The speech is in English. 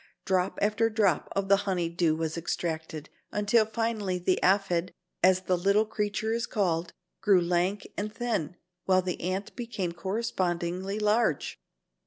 Drop after drop of the honey dew was extracted, until finally the aphid, as the little creature is called, grew lank and thin, while the ant became correspondingly large.